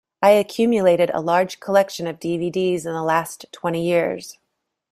I accumulated a large collection of dvds in the last twenty years.